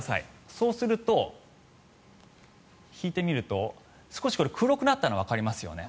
そうすると、引いてみると少し黒くなったのわかりますよね。